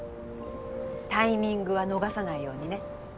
タイミングは逃さないようにね。